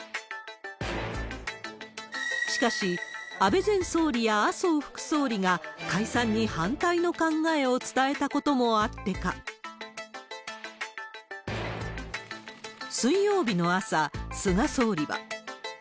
しかし、安倍前総理や麻生副総理が解散に反対の考えを伝えたこともあってか、水曜日の朝、菅総理は。